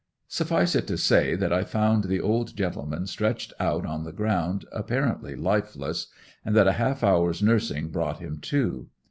Suffice it to say that I found the old gentleman stretched out on the ground apparently lifeless and that a half hour's nursing brought him to.